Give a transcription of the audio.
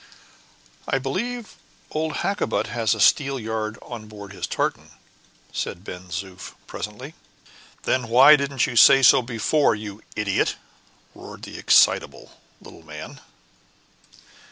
"I believe old Hakkabut has a steelyard on board his tartan," said Ben Zoof, presently. "Then why didn't you say so before, you idiot?" roared the excitable little man.